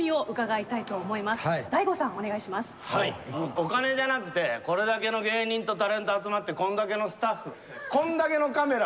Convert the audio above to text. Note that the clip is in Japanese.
お金じゃなくて、これだけの芸人とタレント集まってこんだけのスタッフこんだけのカメラ